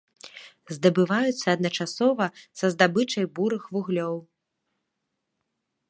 Здабываюцца адначасова са здабычай бурых вуглёў.